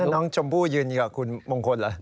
น้องชมพู่ยืนอยู่กับคุณมงคลเหรอ